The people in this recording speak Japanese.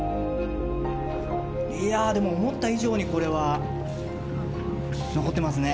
いやでも思った以上にこれは残ってますね。